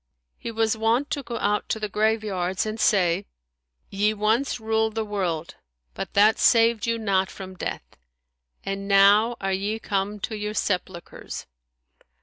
He was wont to go out to the graveyards and say, "Ye once ruled the world, but that saved you not from death, and now are ye come to your sepulchres!